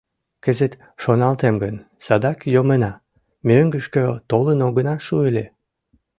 Кызыт шоналтем гын, садак йомына, мӧҥгышкӧ толын огына шу ыле.